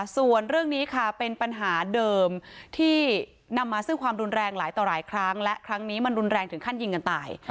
ส่วนเรื่องนี้ค่ะเป็นปัญหาเดิมที่นำมาซึ่งความรุนแรงหลายต่อหลายครั้งและครั้งนี้มันรุนแรงถึงขั้นยิงกันตาย